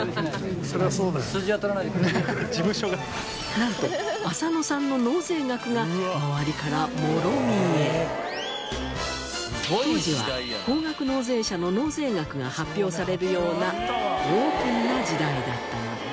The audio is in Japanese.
なんと浅野さんの当時は高額納税者の納税額が発表されるようなオープンな時代だったのです。